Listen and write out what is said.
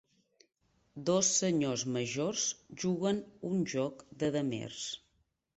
Dos senyors majors juguen un joc de damers.